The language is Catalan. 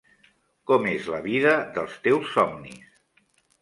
Com és la vida dels teus somnis?